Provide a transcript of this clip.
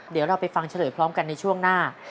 เดี๋ยวเราไปฟังเฉลยพร้อมกันในช่วงหน้า